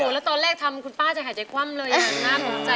ก็ได้เห็นความเลยรึนะ